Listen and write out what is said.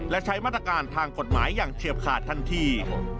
และใช้มาตรการทางกฎหมายอย่างเฉียบขาดทันที